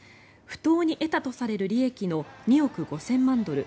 不当に得たとされる利益の２億５０００万ドル